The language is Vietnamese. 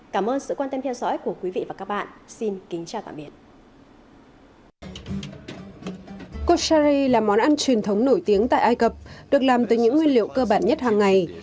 cossai là món ăn truyền thống nổi tiếng tại ai cập được làm từ những nguyên liệu cơ bản nhất hàng ngày